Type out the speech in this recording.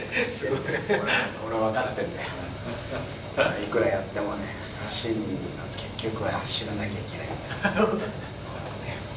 いくらやってもね、走るのは、結局は走らなきゃいけない。